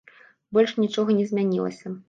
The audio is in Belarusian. Больш нічога не змянілася.